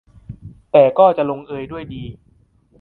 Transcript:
แต่ก็จะลงเอยด้วยดี